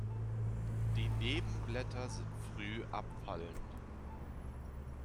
Die Nebenblätter sind früh abfallend.